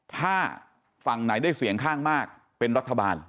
ถ้าฝั่งไหนได้เสียงข้างมากเป็นรัฐบาล